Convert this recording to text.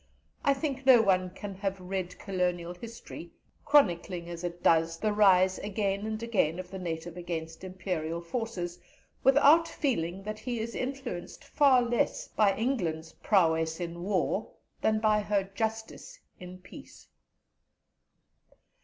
I think no one can have read Colonial history, chronicling as it does, the rise again and again of the native against Imperial forces, without feeling that he is influenced far less by England's prowess in war than by her justice in peace.